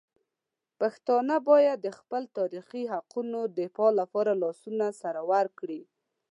پښتانه باید د خپل تاریخي حقونو دفاع لپاره لاسونه سره ورکړي.